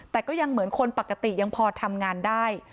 แต่ก็ยังเหมือนคนปกติยังพอทำงานได้